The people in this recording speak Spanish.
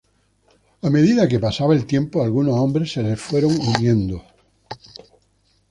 A medida que pasaba el tiempo, algunos hombres se les fueron uniendo.